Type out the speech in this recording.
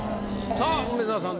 さあ梅沢さん